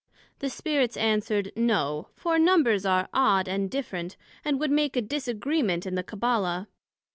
The Spirits answered, No: for Numbers are odd, and different, and would make a disagreement in the Cabbala.